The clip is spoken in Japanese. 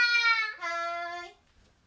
はい。